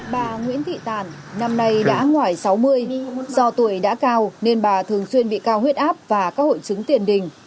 bà nguyễn thị tàn năm nay đã ngoài sáu mươi do tuổi đã cao nên bà thường xuyên bị cao huyết áp và các hội chứng tiền đình